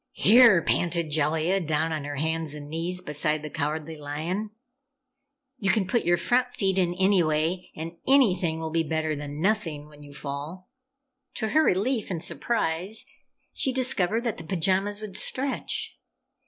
"Here!" panted Jellia, down on her hands and knees beside the Cowardly Lion, "you can put your front feet in anyway and anything will be better than nothing, when you fall!" To her relief and surprise, she discovered that the pajamas would stretch!